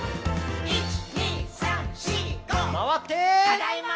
「ただいま！」